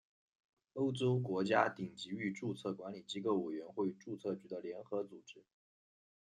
欧洲国家顶级域注册管理机构委员会注册局的联合组织。